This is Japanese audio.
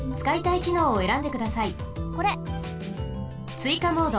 ついかモード。